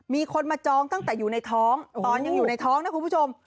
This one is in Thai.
มีคนมาจองตั้งแต่อยู่ในท้องตอนยังอยู่ในท้องนะคุณผู้ชม